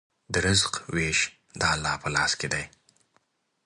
د رزق وېش د الله په لاس کې دی.